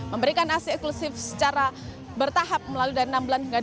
memberikan asi eksklusif secara bertahap melalui dari enam bulan hingga dua hari